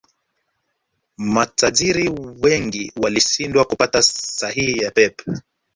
Matajiri wengi walishindwa kupata sahihi ya Pep